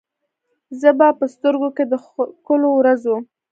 زه به په سترګو کې، د ښکلو ورځو،